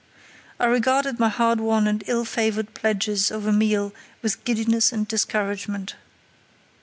I regarded my hard won and ill favoured pledges of a meal with giddiness and discouragement.